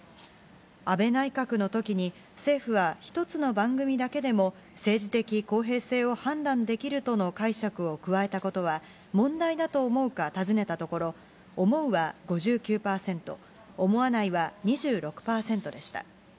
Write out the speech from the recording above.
安倍内閣のときに、政府は１つの番組だけでも政治的公平性を判断できるとの解釈を加えたことは、問題だと思うか尋ねたところ、思うは５９％、思わないは２６％でした。